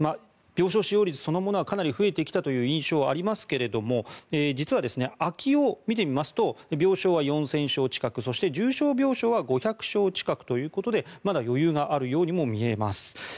病床使用率そのものはかなり増えてきたという印象はありますが実は、空きを見てみますと病床は４０００床近くそして重症病床は５００床近くということでまだ余裕があるようにも見えます。